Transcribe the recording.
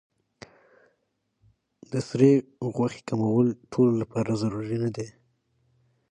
د سرې غوښې کمول ټولو لپاره ضروري نه دي.